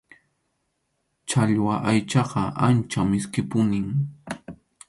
Challwa aychaqa ancha miskʼipunim.